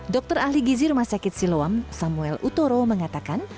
dokter ahli gizi rumah sakit siloam samuel utoro mengatakan